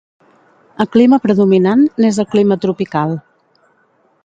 El clima predominant n'és el clima tropical.